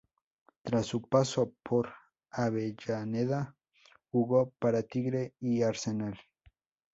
Tras su paso por Avellaneda jugó para Tigre y Arsenal.